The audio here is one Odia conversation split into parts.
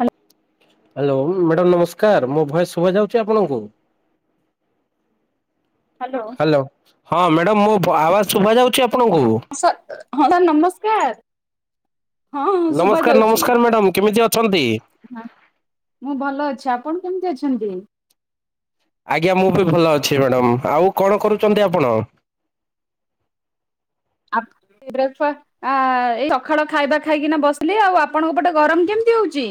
ହାଲୋ ହାଲୋ ମ୍ୟାଡ଼ାାମ ନମସ୍କାର ମୋ ଭୟସ ଶୁଭ ଯାଉଛି ଆପଣଙ୍କୁ? ହ୍ୟାଲୋ ହଁ ମ୍ୟା ମ୍ୟାଡ଼ାମ ମୋ ଆୱେଜ ଶୁଭା ଯାଉଛି ଅପ୍ ହଁ ସାର୍ ହଁ ସ ନମସ୍କାର। ହଁ ଶୁଭା ନମସ୍କାର ଯାଉଛି। ନମସ୍କାର ମ୍ୟାଡ଼ାମ କେମିତି ଅ ହଁ ମୁଁ ଭଲ ଅଛି ଆପଣ କେମିତି ଅଛନ୍ତି। ଆଜ୍ଞା ମୁଁ ବି ଭଲ ଅଛି ମ୍ୟାଡାାମ ଆଉ କଣ କରୁଛନ୍ତି ଆପଣ? ଏଇ ଅଖାଳ ଖାଇବା ଖାଇକିନା ବସିଲି ଆଉ ଆପଣଙ୍କ ପଟେ ଗରମ କେମିତି ହଉଛି?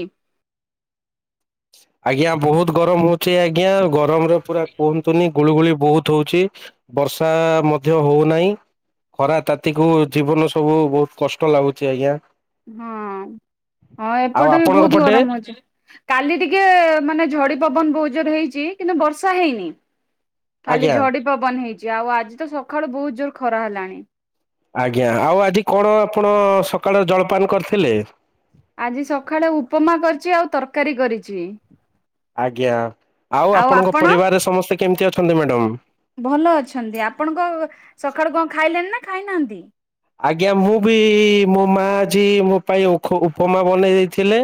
ଆଜ୍ଞା ବହୁତ ଗରମ ହଉଛି ଆଜ୍ଞା ଗରମରେ ପୁରା କୁହନ୍ତୁନି ଗୁଳୁଗୁଳି ବହୁତ ହଉଛି ବର୍ଷା ମଧ୍ୟ ହଉନାହିଁ ଖରା ତାତିକୁ ଜୀବନ ସବୁ ବହୁତ କଷ୍ଟ ଲାଗୁଛି ଆଜ୍ଞା। ହଁ ହଁ ଆଉ ଏପଟେ ବି ଆପଣଙ୍କ ବହୁତ ପଟେ ଗରମ ଅଉଛି। କାଲି ଟିକେ ମାନେ ଝଡି ପବନ ବୋଉତ ଜୋର ହେଇଛି କିନ୍ତୁ ବର୍ଷା ହେଇନି। ଖାଲି ଆଜ୍ଞା। ଝଡି ପବନ ହେଇଛି। ଆଉ ଆଜି ତ ସକାଳୁ ବହୁତ ଜୋର ଖରା ହେଲାଣି। ଆଜ୍ଞା ଆଉ ଆଜି କଣ ଆପଣ ସକାଳ ଜଳପାନ କରିଥିଲେ। ଆଜି ସକାଳେ ଉପମା କରିଛି ଆଉ ତରକାରୀ କରିଛି। ଆଜ୍ଞା ଆଉ ଆପଣଙ୍କ ପରିବାରରେ ସମସ୍ତେ କେମିତି ଅଛନ୍ତି ମ୍ୟାଡ଼ାମ? ଭଲ ଅଛନ୍ତି ଆପଣଙ୍କ ସକାଳୁ କଣ ଖାଇଲେଣି ନା ଖାଇନାହାନ୍ତି। ଆଜ୍ଞା ମୁଁ ବି ମୋ ମା ଯ ମୋ ପାଇଁ ଉପମା ବନେଇ ଦେଇଥିଲେ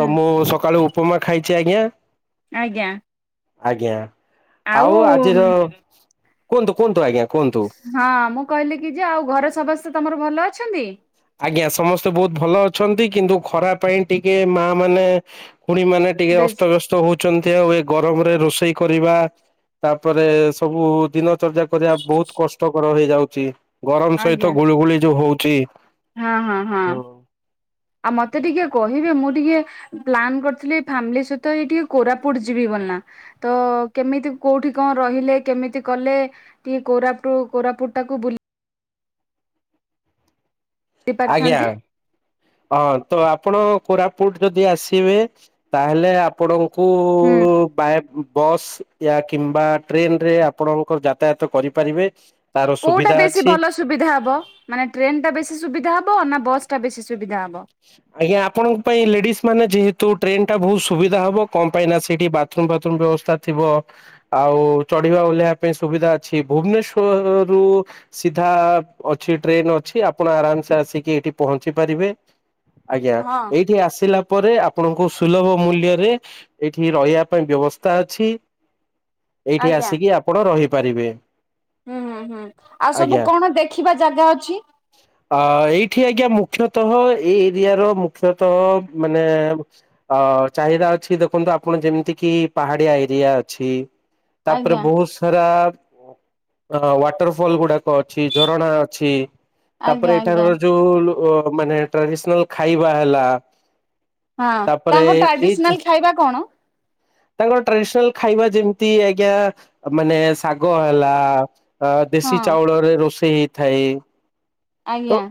ତ ମୁଁ ସକାଳୁ ଉପମା ଖାଇଛି ଆଜ୍ଞା। ଆଜ୍ଞା ଆଜ୍ଞା ଆଉ ଆଜିର କୁହନ୍ତୁ କୁହନ୍ତୁ ଆଜ୍ଞା କୁହନ୍ତୁ ହଁ ମୁଁ କହିଲି କି ଯେ ଆଉ ଘରେ ସବା ସ୍ ସେ ତମର ଭଲ ଅଛନ୍ତି। ଆଜ୍ଞା ସମସ୍ତେ ବହୁତ ଭଲ ଅଛନ୍ତି। କିନ୍ତୁ ଖରା ପାଇଁ ଟିକେ ମା ମାନେ ଖୁଡି ମାନେ, ଟିକେ ବେଶ ଅସ୍ତବ୍ୟସ୍ତ ହଉଚନ୍ ହୁଏ ଗରମରେ ରୋଷେଇ କରିବା ତାପରେ ସବୁ ଦିନ ଚର୍ଚ୍ଚା କରିବା ବହୁତ କଷ୍ଟକର ହେଇଯାଉଛି। ଗରମ ଆଜ୍ଞା ସହିତ ଗୁଳିୁ ଗୁଳି ଯୋଉ ହଉ ଚି। ହଁ ହଁ ହଁ ଆଉ ମତେ ଟିକେ କହିବେ ମୁଁ ଟିକେ ପ୍ଲାନ୍ କରିଥିଲି, ଫ୍ୟାମିଲି ସହିତ ଏଇ ଟିକେ କୋରାପୁଟ ଯିବି ବଲ ନା ତ କେମିତି କୋଉଠି କଣ ରହିଲେ କେମିତି କଲେ ଟିକେ କୋରାପୁଟ କୋରାପୁଟ ଟାକୁ ବୁଲ ଆଜ୍ଞା। ହେଇପାରିଥାନ୍ତି। ହଁ ତ ଆପଣ କୋରାପୁଟ ଯଦି ଆସିବେ ତାହେଲେ ଆପଣ ଙ୍କୁ ହୁଁ ବାଏ ବସ୍ ୟା କିମ୍ବା ଟ୍ରେନ ରେ ଆପଣଙ୍କର ଯାତାୟାତ କରିପାରିବେ। ତାର କୋଉଟା ସୁବିଧା ବେଶୀ ଅଛି। ଭଲ ସୁବିଧା ହବ ମାନେ ଟ୍ରେନ ଟା ବେଶୀ ସୁବିଧା ହବ ନା ବସ ଟା ବେଶି ସୁବିଧା ହ ଆଜ୍ଞା ଆପଣଙ୍କ ପାଇଁ ଲେଡିସ୍ ମାନେ ଯେହେ ତୁ ଟ୍ରେନ ଟା ବହୁତ ସୁବିଧା ହବ କଣ ପାଇଁ ନା ସେଠି ବାଥରୁମ ଫାଥରୁମ ବ୍ୟବସ୍ଥା ଥିବ। ଆଉ ଚଢିବା ଓହ୍ଲେଇବା ପାଇଁ ସୁବିଧା ଅଛି। ଭୁବନେଶ୍ଵର ରୁ ସିଧା ଅଛି ଟ୍ରେନ ଅଛି। ଆପଣ ଆରାମସେ ଆସିକି ଏଇଠି ପହଞ୍ଚି ପାରିବେ। ଆଜ୍ଞା ହଁ ଏଇଠି ଆସିଲା ପରେ ଆପଣଙ୍କୁ ସୁଲଭ ମୂଲରେ ଏଠି ରହିବା ପାଇଁ ବ୍ୟବସ୍ଥା ଅଛି। ଏଇଠି ଆଜ୍ଞା ଆସିକି ଆପଣ ରହିପାରିବେ ହୁଁ ହୁଁ ହୁଁ ଆଉ ସବୁ ଆଜ୍ଞା-ଅ କଣ ଦେଖିବା ଜାଗା ଅଛି? ଏଇଠି ଆଜ୍ଞା ମୁ ମୁଖ୍ୟତଃ ଏଇ ଏରିଆ ର ମୁଖ୍ୟତଃ ମାନେ ଅ ଚାହିଦା ଅଛି ଦେଖନ୍ତୁ ଆପଣ ଯେମିତି କିି ପାହାଡିଆ ଏରିଆ ଅଛି। ତାପରେ ଆଜ୍ଞା ବହୁତ ସାରା ଅ ୱାଟର ଫଲ ଗୁଡାକ ଅଛି ଝରଣା ଅଛି। ତାପରେ ଆଜ୍ଞା ଆଜ୍ଞା ଏଠାର ଯୋଉ ଲୁ ଅ ମାନେ ଟ୍ରାଡିସ୍ ନାଲ ଖାଇବା ହେଲା ହଁ, ତାପରେ ତାଙ୍କ ଏଇ ଟ୍ରାଡିସନାଲ ଖାଇବା କଣ? ତାଙ୍କର ଟ୍ରାଡିସନାଲ ଖାଇବା ଯେମିତି ଆଜ୍ଞା ମାନେ ଶାଗ ହେଲା ଅ ଦେଶୀ ହଁ ଚାଉଳରେ ରୋଷେଇ ହେଇଥାଏ। ତ ଆଜ୍ଞା।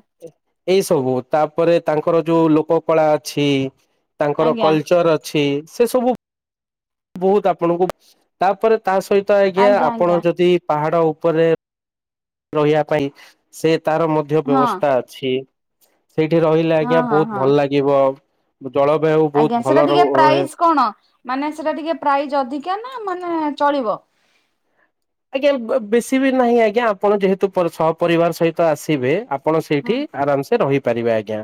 ଏଇ ସବୁ ତାପରେ ତାଙ୍କର ଯୋଉ ଲୋକ କଳା ଅଛି। ତାଙ୍କର ଆଜ୍ଞା କଲଚର ଅଛି। ସେ ସବୁ ବହୁତ ଆପଣଙ୍କୁ ତାପରେ ତା ସହିତ ଆଜ୍ଞା ଆପଣ ଯଦି ପାହାଡ ଉ ତାହାଲେ ରହିବା ପାଇଁ ସେ ତାର ମଧ୍ୟ ହଁ ବ୍ୟବସ୍ଥା ଅଛି। [unintelligible] ସେଇଠି ରହିଲେ ହଁ ଆଜ୍ଞା ହଁ ବହୁତ ହଁ ଭଲ ଲାଗିବ। ଜଳବାୟୁ ବହୁତ ଆଜ୍ଞା ଭଲ ସେଟା ଟିକେ ରହେ ପ୍ରାଇସ୍ କଣ ମାନେ ସେଟା ଟିକେ ପ୍ରାଇଜ୍ ଅଧିକ ମାନେ ମାନେ ଚଳିବ। ଆଜ୍ଞା ବେଶୀ ବି ନାହିଁ ଆଜ୍ଞା ଆପଣ ଯେହେତୁ ସହ ପରିବାର ସହିତ ଆସିବେ ଆପଣ ହୁଁ ସେଇଠି ଆରାମ ସେ ରହିବେ କରିବା ଆଜ୍ଞା।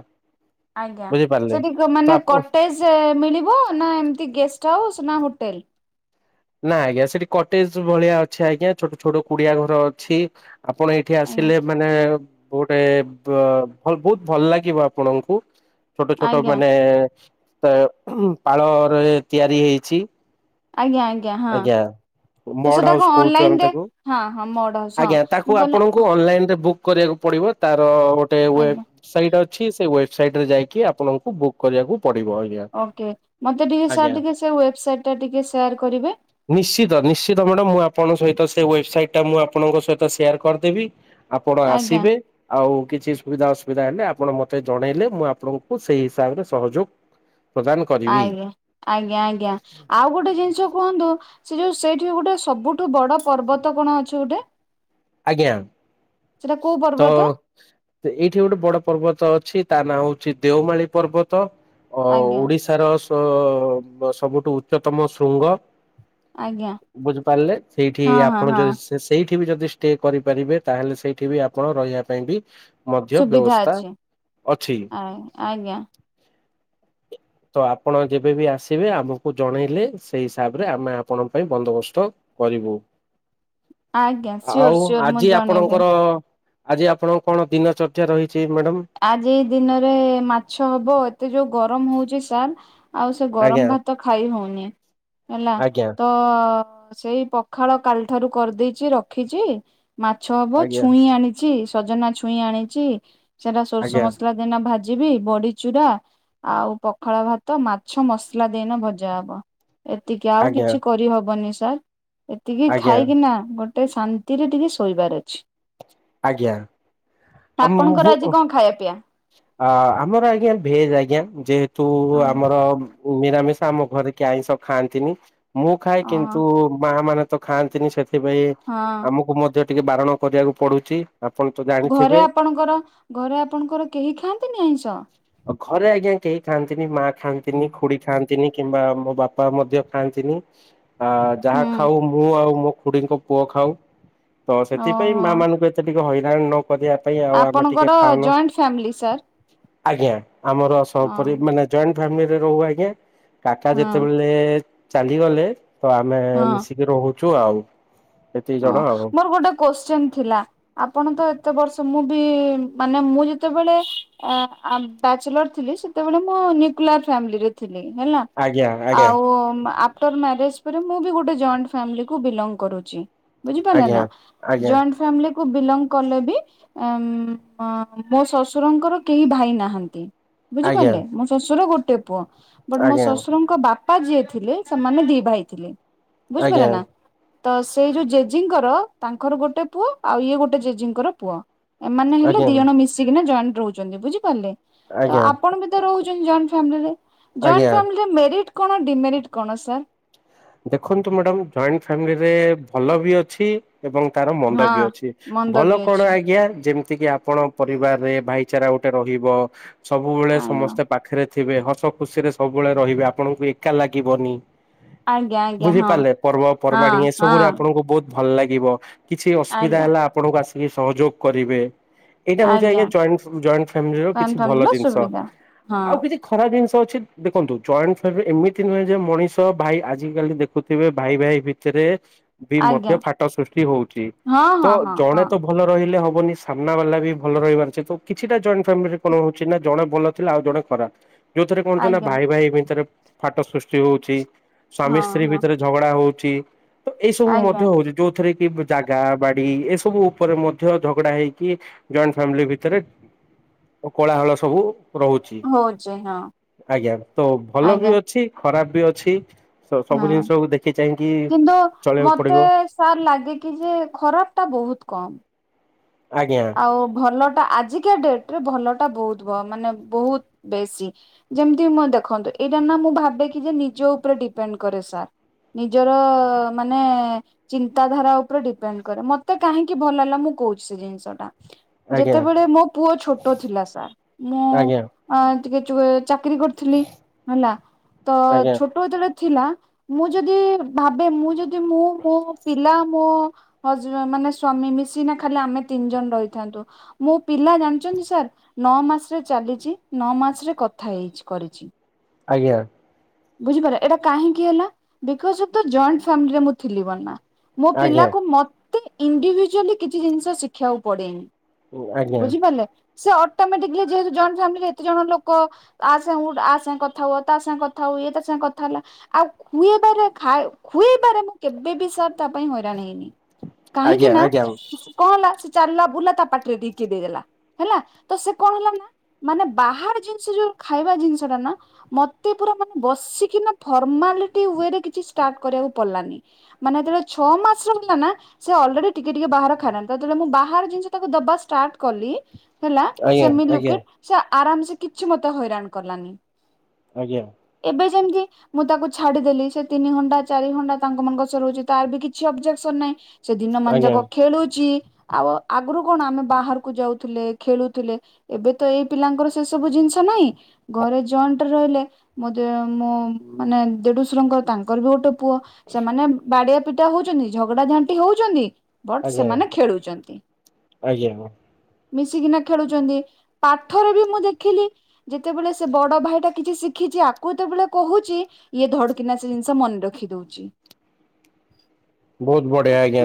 ଆଜ୍ଞା ବୁଝିପାରିଲେ। ସେଠି କୋଉ ତ ମାନେ ଆପଣ କଟେଜ ରେ ମିଳିବ ନା ଏମତି ଗେଷ୍ଟ ହାଉସ୍ ନା ହୋଟେଲ। ନା ଆଜ୍ଞା ସେଠି କଟେଜ ଭଳିଆ ଅଛି ଆଜ୍ଞା ଛୋଟ ଛୋଟ କୁଡିଆ ଘର ଅଛି ଆପଣ ଏଇଠି ଆଜ୍ଞା ଆସିଲେ ମାନେ ଗୋଟେ ବ୍ର ବହୁତ ଭଲ ଲାଗିବ ଆପଣଙ୍କୁ ଛୋଟ ଛୋଟ ଆଜ୍ଞା ମାନେ ତ ପାଳରେ ତିଆରି ହେଇଛି ଆଜ୍ଞା ଆଜ୍ଞା ହଁ ତ ମଡ ସେଇଟା ହାଉସ କଣ କହୁଛୁ ଆମେ ଅନଲାଇନରେ ତାକୁ। ହଁ ହଁ ମଡ ହାଉସ ଆଜ୍ଞା ତାକୁ ମୁ କହିଲି ଆପଣଙ୍କୁ ଅନଲାଇନ ରେ ବୁକ୍ କରିବାକୁ ପଡିବ ତାର ଗୋଟେ ଆଜ୍ଞା। ୱେବସାଇଟ୍ ଅଛି। ସେ ଏ ସାଇଟ ରେ ଯାଇକି ଆପଣଙ୍କୁ ବୁକ୍ କରିବାକୁ ପଡିବ ଆଜ୍ଞା ଓକେ ମତେ ଟିକେ ଆଜ୍ଞା। ସାର୍ ଟିକେ ସେ ୱେବସାଇଟ୍ ଟା ଟିକେ ସେୟାର କରିବେ। ନିଶ୍ଚିତ ନିଶ୍ଚିତ ମ୍ୟାଡମ୍ ମୁଁ ଆପଣଙ୍କ ସହିତ ସେ ୱେବ୍ ସାଇଟ ଟା ମୁଁ ଆପଣଙ୍କ ସହିତ ସେୟାର କରିଦେବି। ଆପଣ ଆଜ୍ଞା ଆସିବେ ଆଉ କିଛି ସୁବିଧା ଅ ସୁବିଧା ହେଲେ ଆପଣ ମତେ ଜଣେଇଲେ ମୁଁ ଆପଣଙ୍କୁ ସେଇ ହିସାବରେ ସହଯୋଗ ପ୍ରଦାନ କରିବି ଆଜ୍ଞା ଆଜ୍ଞା ଆଜ୍ଞା। ଆଉ ଗୋଟେ ଜିନିଷ କୁହନ୍ତୁ ସେ ଯୋଉ ସେଇଠି ଗୋଟେ ସବୁଠୁ ବଡ ପର୍ବତ କଣ ଅଛି ଗୋଟେ। ଆଜ୍ଞା ସେଟା କୋଉ ତ ପର୍ବତ ଏଇଠି ଗୋଟେ ବଡ ପର୍ବତ ଅଛି। ତା ନାଁ ହଉଛି ଦେଓମାଳି ପର୍ବତ। ଅ ଆଜ୍ଞା ଓଡିଶାର ସୁ ତ ସବୁଠୁ ଉଚ୍ଚତମ ଶୃଙ୍ଗ ଆଜ୍ଞା ବୁଝିପାରିଲେ ସେଇଠି ହଁ ହଁ ଆପଣ ହଁ ଯଦି ସେ ସେଇଠି କେ ବି ଯଦି ଷ୍ଟ ଷ୍ଟେ କରିପାରିବେ ତାହେଲେ ସେଇଠି ବି ଆପଣ ରହିବା ପାଇଁ ବି ମଧ୍ୟ ସୁବିଧା ବ୍ୟବସ୍ଥା ଅଛି ଅଛି। ଆ ଆଜ୍ଞା। ତ ଆପଣ ଯେବେବି ଆସିବେ ଆମକୁ ଜଣେଇଲେ ସେଇ ହିସାବରେ ଆମେ ଆପଣଙ୍କ ପାଇଁ ବନ୍ଦୋବସ୍ତ କରିବୁ। ଆଜ୍ଞା ସିଓର ଆଉ ସିଓର ମୁଁ ଆଜି ଜଣେଇବି ଆପଣଙ୍କର ଆଜି ଆପଣଙ୍କ କଣ ଦିନ ଚର୍ଚ୍ଚା ରହି ଆଜି ଦିନରେ ମାଛ ହବ ଏତେ ଯୋଉ ଗରମ ହଉଛି ସାର୍ ଆଉ ସେ ଆଜ୍ଞା ଗରମ ଭାତ ଖାଇ ହଉନି ହେଲା ଆଜ୍ଞା ତ ସେଇ ପଖାଳ କାଲି ଠାରୁ କରିଦେଇଛି ରଖିଚି। ମାଛ ହବ ଆଜ୍ଞା ଛୁଇଁ ଆଣିଛି ସଜନା ଛୁଇଁ ଆଣିଚି। ସେଟା ସୋର୍ଷ ଆଜ୍ଞା ମସଲା ଦେନା ଭାଜି ଯିବି ବଡି ଚୁରା ଆଉ ପଖାଳ ଭାତ ମାଛ ମସଲା ଦେଇନା ଭଜା ହବ। ଏତିକି ଆଉ ଆଜ୍ଞା କିଛି କରିହବନି ସ ସାର୍ ଏତିକି ଆଜ୍ଞା ଆଜ୍ଞା ଖାଇକିନା ଗୋଟେ ଟେ ଶାନ୍ତିରେ ଟିକେ ଶୋଇବାର ଅଛି। ଆଜ୍ଞା ଆମୁ ଖାଇ ପିଆ ଅ ଆମର ଆଜ୍ଞା ଭେଜ ଆଜ୍ଞା ଯେହେତ ତୁ ଅ ଆମର ନିରାମିଷା ଆମ ଘରେ କେହି ଆଇଁଷ ଖାଆନ୍ତିନି। ମୁଁ ଖାଇ ଓହୋ କିନ୍ତୁ ମା ମାନେ ଖାନ୍ତିି ସେ ସେଥିପାଇଁ ହଁ ଆମକୁ ମଧ୍ୟ ଟିକେ ବାରଣ କରିବାକୁ ପଡୁଛି। ଆପଣ ତ ଘରେ ଜାଣିଥିବେ ଆପଣଙ୍କର ଘରେ ଆପଣଙ୍କର କେହି ଖାଆନ୍ତିନି ଆଇଁଷ। ଆଉ ଘରେ ଆଜ୍ଞା କେହି ଖାଆନ୍ତିନି ମା ଖାଆନ୍ତିନି ଖୁଡି ଖାଆନ୍ତିନି କିମ୍ବା ମୋ ବାପା ମଧ୍ୟ ଖାଆନ୍ତିନି। ଆ ଯାହା ହୁଁ ଖାଉ ମୁଁ ଆଉ ମୋ ଖୁଡ଼ିଙ୍କ ପୁଅ ଖାଉ ତ ସେଥିପାଇଁ ଓହୋ ମାମାନଙ୍କୁ ଏତ ଟି ହଇରାଣ ନ କରିବା ପାଇଁ ଆଉ ଆମେ ଆପଣଙ୍କର ଟିକେ ଖାଉନୁ। ଜଏଣ୍ଟ ଫ୍ୟାମିଲି ସାର୍ ଆଜ୍ଞା ଆମର ହଁ ସପରି ମାନେ ଜଏଣ୍ଟ ଫାମି ଏ ରହୁ ଆଜ୍ଞା। କାକା ହଁ ଯେତେବେଲେ ଚାଲିଗଲେ ତ ଆମେ ମିଶିକି ରହୁ ଛୁ ଆଉ ଏତିକି ଅ ଜଣ ଆଉ ମୋର ଗୋଟେ କୋଶ୍ଚିନ ଥିଲା ଆପଣ ତ ଏ ତେ ବର୍ଷ ମୁଁ ବି ମାନେ ମୁଁ ଯେତେବେଳେ ଆ ଆ ବ୍ୟାଚଲର ଥିଲି ସେତେବେଳେ ତ ମୁଁ ନ୍ୟୁକ୍ଲିଆର ଫ୍ୟାମିଲିରେ ଥି ଲି ହେଲା ଆଜ୍ଞା ଆଜ୍ଞା ଆଉ ଆଫଟର ମ୍ୟାରେଜ୍ ପରେ ମୁଁ ବି ଗୋଟେ ଜଏଣ୍ଟ ଫ୍ୟାମିଲିକୁ ବିଲଙ୍ଗ କରୁଚି। ବୁଝିପାରିଲ ଆଜ୍ଞା ନାଁ? ଆଜ୍ଞା ଜଏଣ୍ଟ ଫ୍ୟାମିଲି କୁ ବିଲଙ୍ଗ କଲେ ବି ଉଁ ମୋ ଶଶୁରଙ୍କର କେହି ଭାଇ ନାହାନ୍ତି। ଆଜ୍ଞା ବୁଝିପାରିଲେ ମୋ ଶଶୁର ଗୋ ଟେ ପୁଅ। ବଟ ମୋ ଆଜ୍ଞା ଶଶୁରଙ୍କ ବା ପା ଯିଏ ଥିଲେ ସେମାନେ ଦି ଭାଇ ଥିଲେ। ବୁଝିପାଇଲେ ଆଜ୍ଞା ନାଁ? ତ ସେଇ ଯୋଉ ଜେଜିଙ୍କର ତାଙ୍କର ଗୋଟେ ପୁଅ ଆଉ ଇଏ ଗୋଟେ ଜେଜିଙ୍କର ପୁଅ। ଏମାନେ ହେଲେ ଦି ଆଜ୍ଞା। ଜଣ ମିଶିକିନା ଜଏନ୍ ରହୁଚନ୍ତି। ବୁଝିପାରିଲେ? ତ ଆଜ୍ଞା ଆପଣ ବି ତ ରହୁଚନ୍ତି ଜଏନ୍ ଫାମିଲିରେ ଜଏନ୍ ଆଜ୍ଞା ଫାମିଲିରେ ମେରିଟ୍ କଣ ଡିମେରିଟ୍ କଣ ସାର୍? ଦେଖନ୍ତୁ ମଡାମ ଜଏଣ୍ଟ ଫାମିଲିରେ ଭଲ ବି ଅଛି ଏବଂ ତାର ମନ୍ଦ ହଁ ବି ଅଛି ମନ୍ଦ ଭଲ ବି କଣ ଅଛି ଆଜ୍ଞା ଯେମ ଯେତିକି ଆପଣ ପରିବାରରେ ଭାଇଚାରା ଗୋଟେ ରହିବ। ସବୁବେଳେ ଆଜ୍ଞା ସମସ୍ତେ ପାଖେରେ ଥିବେ ହସ ଖୁସିରେ ସବୁବେଳେ ରହିବେ ଆପଣଙ୍କୁ ଏକା ଲାଗିବନି। ଆଜ୍ଞା ଆଜ୍ଞା ବୁଝି ହଁ ପାରିଲେ ହଁ ପର୍ବପର୍ବାଣୀ ଏସବୁରେ ହଁ ଆପଣଙ୍କୁ ବୋହୁତ ଭଲ ଲାଗିବ। କିଛି ଅସୁବିଧା ଆଜ୍ଞା ହେଲା, ଆପଣଙ୍କୁ ଆସ ଟିକେ ସହଯୋଗ କରିବେ। ଏଇଟା ହଉଛି, ଆଜ୍ଞା, ଜଏଣ୍ଟ ଫ୍ୟାମିଲିର କିଛି ଜଏଣ୍ଟ ଭଲ ଫ୍ୟାମିଲିର ଜିନିଷ, ସୁବିଧା ହଁ ଆଉ କିଛି ଖରାପ ଜିନିଷ ଅଛି ଦେଖନ୍ତୁ, ଜଏଣ୍ଟ ଫ୍ୟା ଏମିତି ନୁହେଁ, ଯେ ମଣିଷ ଭାଇ ଆଜି କାଲି ଦେଖୁଥିବେ, ଭାଇ, ଭାଇ ଭିତରେ ବି ମଧ୍ୟ ଆଜ୍ଞା ଫାଟ ସୃଷ୍ଟି ହଉଛି, ହଁ ତ ହଁ ହଁ ଜଣେ ହଁ ତ ଭଲ ରହିଲେ ହବ ହନି ସାମ୍ନା ବାଲା ବି ଭଲ ରହିବାର କିଛିଟା ଜଏଣ୍ଟ ଫ୍ୟାମ କଣ ହଉଛି, ନା ଜଣେ ଭଲ ଥିଲେ, ଆଉ ଜଣେ ଖରାପ। ଯୋଉ ଥରେ, କଣ ନା ଆଜ୍ଞା ଭାଇ, ଭାଇ ଭିତରେ ଫାଟ ସୃଷ୍ଟି ହଉଛି। ସ୍ବାମୀ, ହଁ ସ୍ତ୍ରୀ ହଁ ଭିତରେ ଝଗଡା ହଉଛି। ଛି ଏଇ ସବୁ ଆଜ୍ଞା ମଧ୍ୟ ହଉଛି। ଯୋଉଥିରେ ଜାଗା ବାଡି ଏ ସବୁ ଉପରେ ମଧ୍ୟ ଝଗଡା ହେଇକି ଜଏଣ୍ଟ ଫାମିଲି ଭିତରେ କୋଳାହଳ ସବୁ ରହୁଛି ହଉଛି ହଁ ଆଜ୍ଞା ତ ଭଲ ବି ଆଜ୍ଞା ଅଛି ଖରାପ ବି ଅଛି ସ ସବୁ ହଁ, ଜିନିଷକୁ ଦେଖି ଚାହିଁକି କିନ୍ତୁ ଚଳିବାକୁ ପଡିବ ମତେ ସାର୍ ଲାଗେ, କି ଯେ ଖରାପ ଟା ବହୁତ କମ୍। ଆଜ୍ଞା ଆଉ ଭଲ ଆଜିକା ଡେଟ ରେ ଭଲଟା ବହୁତ, ମାନେ ବହୁତ ବେଶୀ, ଯେମିତି ମୁଁ ଦେଖନ୍ତୁ, ଏଇଟା ନା ମୁଁ ଭାବେ କିି ଯେ ନିଜ ଉପରେ ଡିପେଣ୍ଡ କରେ ସାର୍ ନିଜର ମାନେ ଚିନ୍ତାଧାରା ଉପରେ ଡିପେଣ୍ଡ କରେ, ମତେ କାହିଁକି ଭଲ ହେଲା, ମୁଁ କହୁଛି ସେ ଜିନିଷଟା ଆଜ୍ଞା ଯେତେବେଳେ ମୋ ପୁଅ ଛୋଟ ଥିଲା, ସାର୍ ମୁଁ ଆଜ୍ଞା ଟିକେ ଚାକିରୀ କରିଥିଲି, ହେଲା ତ ଆଜ୍ଞା ଛୋଟ ଯେତେବେଳେ ଥିଲା, ମୁଁ ଯଦି ଭାବେ ମୁଁ, ଯଦି ମୁଁ ମୋ ପିଲା, ମୋ ହଜ ମାନେ ସ୍ୱାମୀ ମିଶିନା ଖାଲି ଆମେ ତିନି ଜଣ ରହିଥାନ୍ତୁ, ମୋ ପିଲା ଜାଣିଛନ୍ତି, ସାର୍ ନଅ ମାସରେ ଚାଲିଛି, ନଅ ମାସରେ କଥା ହେଇ, କରିଛି। ଆଜ୍ଞା। ବୁଝିପାରଟା କାହିଁକି ହେଲା, because of the joint family ରେ ମୁଁ ଥିଲି, ବ ନା ମୋ ଆଜ୍ଞା। ପିଲାକୁ ମ ତ ଇଣ୍ଡିଭିଜୁଆଲି କିଛି ଜିନିଷ ଶିଖାଉ ପଡେନି। ଆଜ୍ଞା ବୁଝିପାରିଲେ। ସେ ଅଟୋମଟିକଲି ଯେହେତୁ ଯଏଣ୍ଟ ଫାମିଲରେ ଏତେ ଜଣ ଲୋକ ଆ ସାଙ୍ଗେ ଆ ସାଙ୍ଗେ କଥା ହୁଅ, ତା ସାଙ୍ଗେ କଥା ହୁଅ, ଇଏ ତା ସାଙ୍ଗେ କଥା ହେଲା, ଆଉ ଖୁଇବାରେ ଖୁଏଇବାରେ ମୁଁ କେବେବି ସାର୍ ତା ପାଇଁ ହଇରାଣ ହେଇନି। କାହିଁକି, ଆଜ୍ଞା ନା ଆଜ୍ଞା କଣ ହେଲା ଚାଲଲା, ବୁଲା ତା ପାଟିରେ ଟିକେ କିଏ ଦେଇଦଲା, ହେଲା ତ ସେ କଣ ହେଲା ନା, ମାନେ ବାହାର ଜିନିଷ ଯୋଉ ଖାଇବା ଜିନିଷ, ଟା ନା ମତେ ପୁରା ମାନେ ବସିକି ନା ଫର୍ମାଲିଟି ୱେ ରେ କିଛି ଷ୍ଟାର୍ଟ କରିବାକୁ ପଡିଲାନି, ମାନେ ଯେତେବେଳେ ଛଅ ମାସ ର ହେଲା ନା ସେ ଅଲରେଡି ଟିକେ ଟିକେ ବାହାର ଖାଇଲାଣି, ତାକୁ ଯେତେବେଳେ ମୁଁ ବା ବାହାର ଜିନିଷ ତାକୁ ଦବା ଷ୍ଟାର୍ କଲି, ହେଲା, ଆଜ୍ଞା ସେ ମୀ ଆଜ୍ଞା ଲୁକେଟ ଆରାମ୍ସେ କିଛି ମତେ ହଇରାଣ କଲାନି। ଆଜ୍ଞା। ଏବେ ଯେମିତି ମୁଁ ତାକୁ ଛାଡିଦେଲି ସେ ତିନି ଘଣ୍ଟା ଚାରି ଘଣ୍ଟା ତାଙ୍କ ମାନଙ୍କ ସହ ରହୁଛି ତାର ବି କିଛି ଅବଜେକସନ ନାହିଁ ବ ସେ ଦିନମାନ ଯାକ ଖେଳୁଚି। ଆଉ ଆଗୁରୁ କଣ ଆମେ ବାହାରକୁ ଯାଉଥିଲେ ଖେଳୁଥିଲେ ଏବେ ତ ଏଇ ପିଲାଙ୍କର ସେ ସବୁ ଜିନିଷ ନାହିଁ, ଘରେ ଜଏଣ୍ଟରେ ରହିଲେ ମୋ ଦେ ମୋ ମାନେ ଦେଢୁଶରଙ୍କର ତାଙ୍କର ବି ଗୋଟେ ପୁଅ ସେମାନେ ବାଡିଆ ପିଟା ହଉଚନ୍ତି ଝଗଡା ଝାଣ୍ଟି ହଉଛନ୍ତି। ବଟ୍ ଆଜ୍ଞା। ଆଜ୍ଞା ସେମାନେ ଖେଳୁଚନ୍ତି। ଆଜ୍ଞା ହଁ। ମିଶିକିନା ଖେଳୁଛନ୍ତି ପାଠରେ ବି ମୁଁ ଦେଖିଲି ଯେତେବେଳେ ସେ ବଡ ଭାଇଟା କିଛି ଶିଖିଛି ଆକୁ ଯେତେବେଳେ କହୁଛି ଇଏ ଧଡକିନା ସେ ଜିନିଷ ମନେ ରଖି ଦଉଛି। ବହୁତ୍ ବଢିଆ ଆଜ୍ଞା,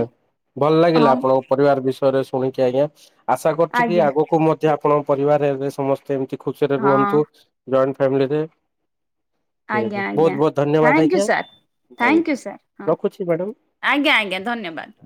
ଭଲ ଲାଗିଲା ହଁ ଆପଣଙ୍କ ପରିବାର ବିଷୟରେ ଶୁଣିକି ଆଜ୍ଞା। ଆଶା କରୁଛି କି ଆଜ୍ଞା ଆଗକୁ ମଧ୍ୟ ଆପଣ ପରିବାରରେ ଏବେ ସମସ୍ତେ ଏମତି ଖୁସିରେ ହଁ ରୁହନ୍ତୁ ଜଏଣ୍ଟ ଫ୍ୟାମିଲି ରେ ଆଜ୍ଞା-ଆଜ୍ଞା thank you sir thank you sir ହଁ ରଖୁଛି ମ୍ୟାଡାମ। ଆଜ୍ଞା। [unintelligible] ଧନ୍ୟବାଦ୍।